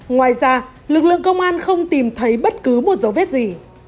ngoài ra lực lượng công an không tìm thấy bất cứ một dấu vết gì